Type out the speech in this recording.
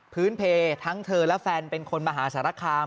เพทั้งเธอและแฟนเป็นคนมหาสารคาม